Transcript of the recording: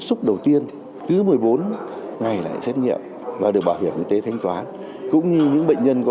xúc đầu tiên cứ một mươi bốn ngày lại xét nghiệm và được bảo hiểm y tế thanh toán cũng như những bệnh nhân có